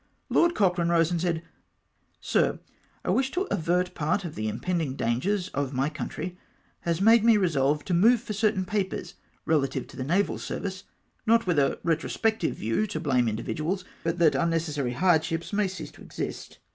"Lord Cochrane rose and i^aid, — 'Sir, — A Avish to avert part of the impending dangers of my country has made me re solve to move for certain papers relative to the Naval Service, not with a retrospective view to blame individuals, but that unnecessary hardships may cease to exist.